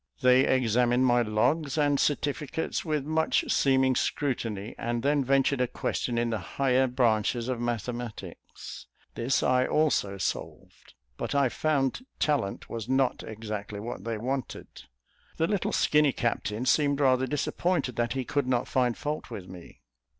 They examined my logs and certificates with much seeming scrutiny, and then ventured a question in the higher branches of mathematics. This I also solved; but I found talent was not exactly what they wanted. The little skinny captain seemed rather disappointed that he could not find fault with me.